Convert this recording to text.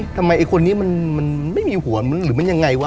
เฮ้ยทำไมไอ้คนนี้มันมันไม่มีหัวหรือมันยังไงวะ